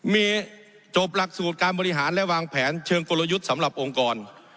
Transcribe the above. มีจบหลักสูตรการบริหารและวางแผนเชิงกลยุทธ์สำหรับองค์กร